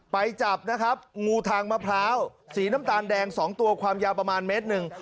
ไปจับนะครับงูทางมะพร้าวสีน้ำตาลแดง๒ตัวความยาวประมาณเมตรหนึ่ง